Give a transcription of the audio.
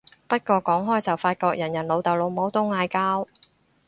不過講開就發覺人人老豆老母都嗌交